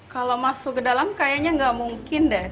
kalau masuk ke dalam kayaknya nggak mungkin deh